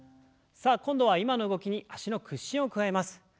さあ今度は今の動きに脚の屈伸を加えます。